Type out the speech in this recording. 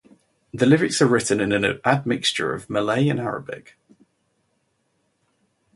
The lyrics are written in an admixture of Malay and Arabic.